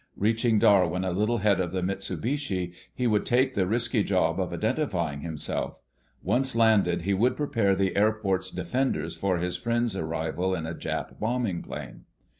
Reaching Darwin a little ahead of the Mitsubishi, he would take the risky job of identifying himself. Once landed, he would prepare the airport's defenders for his friends' arrival in a Jap bombing plane.